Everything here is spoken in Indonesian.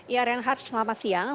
ya reinhardt selamat siang